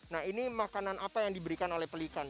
nah ini makanan apa yang diberikan oleh pelikan